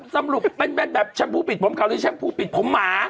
สำรุปแบบแชมพูปิดผมเขาหรือแชมพูปิดผมหมา